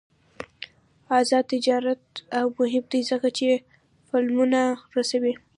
آزاد تجارت مهم دی ځکه چې فلمونه رسوي.